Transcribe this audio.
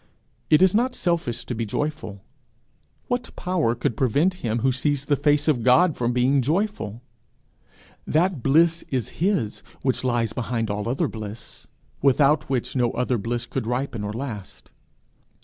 It is not selfish to be joyful. What power could prevent him who sees the face of God from being joyful? that bliss is his which lies behind all other bliss, without which no other bliss could ripen or last.